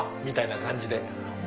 みたいな感じで。